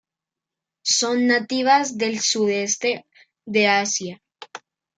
Son nativas del sudeste de Asia.